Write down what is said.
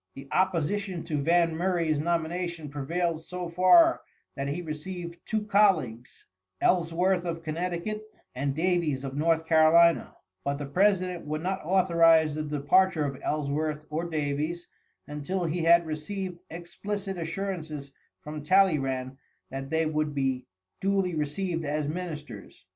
The opposition to Van Murray's nomination prevailed so far that he received two colleagues, Ellsworth of Connecticut and Davies of North Carolina; but the president would not authorize the departure of Ellsworth or Davies until he had received explicit assurances from Talleyrand that they would be duly received as ministers.